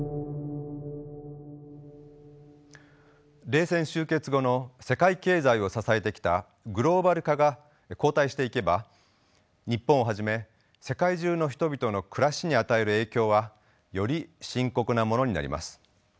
冷戦終結後の世界経済を支えてきたグローバル化が後退していけば日本をはじめ世界中の人々の暮らしに与える影響はより深刻なものになります。